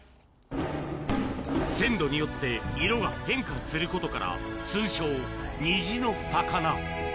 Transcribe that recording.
鮮度によって、色が変化することから、通称、虹の魚。